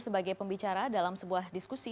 sebagai pembicara dalam sebuah diskusi